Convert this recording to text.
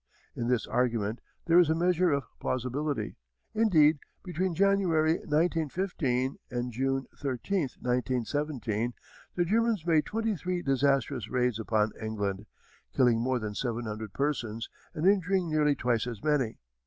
In this argument there is a measure of plausibility. Indeed between January, 1915, and June 13, 1917, the Germans made twenty three disastrous raids upon England, killing more than seven hundred persons and injuring nearly twice as many.